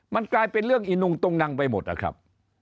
มันกลายเป็นเรื่องอีนุงตุงนังไปหมดนะครับ